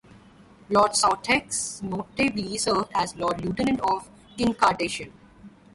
Lord Southesk notably served as Lord Lieutenant of Kincardineshire.